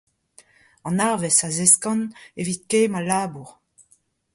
An arwerzh a zeskan evit kemmañ labour.